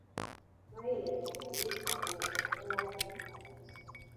Mayi ya tanganika inapomola ma nyumba mingi